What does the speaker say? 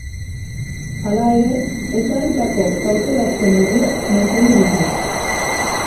Hala ere, ezarritako kautelazko neurriak mantendu ditu.